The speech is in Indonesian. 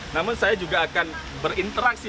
namun saya juga akan berinteraksi